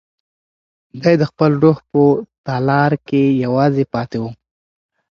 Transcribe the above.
دی د خپل روح په تالار کې یوازې پاتې و.